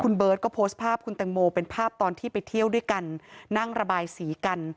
คุณเบิร์ตก็โพสต์ภาพคุณแตงโมเป็นภาพตอนที่ไปเที่ยวด้วยกันนั่งระบายสีกัน